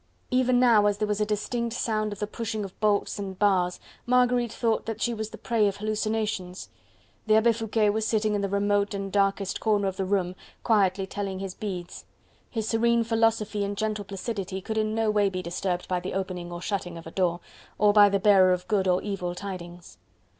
Even now as there was a distinct sound of the pushing of bolts and bars, Marguerite thought that she was the prey of hallucinations. The Abbe Foucquet was sitting in the remote and darkest corner of the room, quietly telling his beads. His serene philosophy and gentle placidity could in no way be disturbed by the opening or shutting of a door, or by the bearer of good or evil tidings.